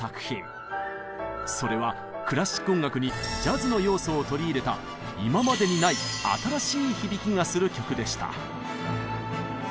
それはクラシック音楽にジャズの要素を取り入れた今までにない新しい響きがする曲でした。